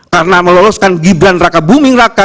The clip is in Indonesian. karena meloloskan gibran raka buming raka